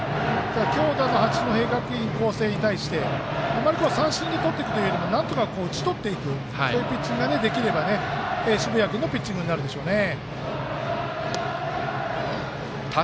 強打の八戸学院光星に対してあまり三振をとっていくよりもなんとか打ち取っていくというピッチングができれば澁谷君のピッチングになるでしょうね。